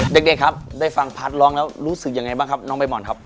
เด็กครับได้ฟังพัฒน์ร้องแล้วรู้สึกยังไงบ้างครับน้องใบหมอนครับ